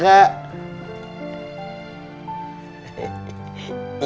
iya enak kek